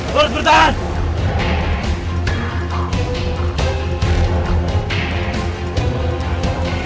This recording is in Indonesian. lo harus bertahan mona